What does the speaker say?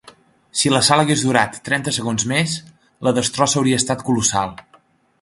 Si l'assalt hagués durat trenta segons més, la destrossa hauria estat colossal.